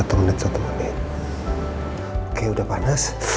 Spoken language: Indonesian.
oke udah panas